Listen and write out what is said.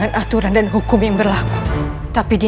kalau tuhan ibu menghukumkan anda